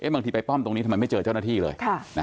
บางทีไปป้อมตรงนี้ทำไมไม่เจอเจ้าหน้าที่เลย